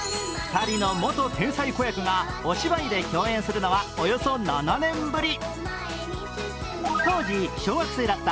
２人の元天才子役でお芝居で共演するのはおよそ７年ぶり。